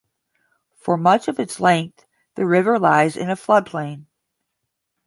For much of its length the river lies in a floodplain.